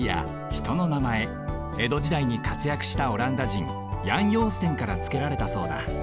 えどじだいにかつやくしたオランダじんヤン・ヨーステンからつけられたそうだ